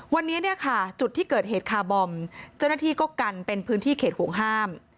วันนี้เนี่ยค่ะจุดที่เกิดเหตุคาร์บอมเจ้าหน้าที่ก็กันเป็นพื้นที่เขตห่วงห้าม